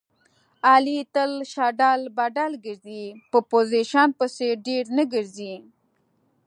علي تل شډل بډل ګرځي. په پوزیشن پسې ډېر نه ګرځي.